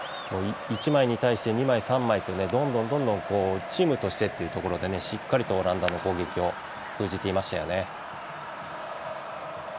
１枚に対して２枚、３枚とどんどんどんどんチームとしてというところでしっかりオランダの攻撃を封じていましたよね。